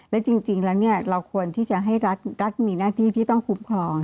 และจริงแล้วเราควรที่จะให้รัฐมีหน้าที่ที่ต้องคุ้มครอง